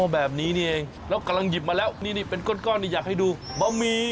แบบนี้นี่เองแล้วกำลังหยิบมาแล้วนี่เป็นก้อนนี่อยากให้ดูบะหมี่